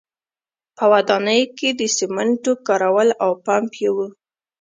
په ودانیو کې د سیمنټو کارول او پمپ یې و